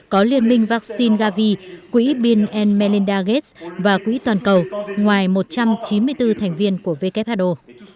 có liên minh vaccine gavi quỹ bin melinda gates và quỹ toàn cầu ngoài một trăm chín mươi bốn thành viên của who